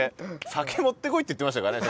「酒持ってこい」って言ってましたからね。